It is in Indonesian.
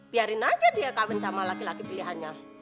biarin aja dia kawin sama laki laki pilihannya